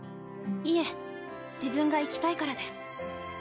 いえ自分が行きたいからです。